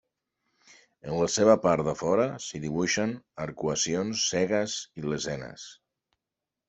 En la seva part de fora s'hi dibuixen arcuacions cegues i lesenes.